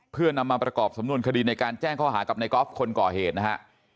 เพื่อนำมาประกอบสำนวนคดีในการแจ้งข้อหากับในกอล์ฟคนก่อเหตุนะฮะ